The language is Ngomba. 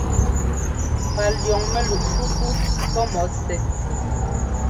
Palʉ̈ɔŋ mɛluꞋ fúfú pɔ́ mɔ sɛ́.